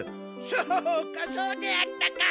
そうかそうであったか。